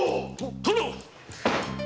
殿！